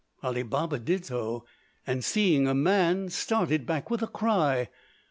Ali Baba did so, and, seeing a man, started back with a cry.